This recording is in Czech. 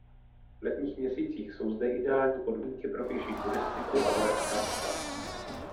V letních měsících jsou zde ideální podmínky pro pěší turistiku a horská kola.